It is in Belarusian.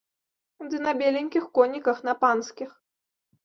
Ды на беленькіх коніках, на панскіх!